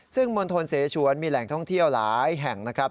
ซึ่งมณฑลเสชวนมีแหล่งท่องเที่ยวหลายแห่งนะครับ